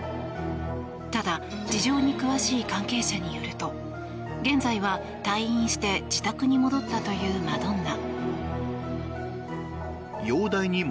ただ事情に詳しい関係者によると現在は退院して自宅に戻ったというマドンナ。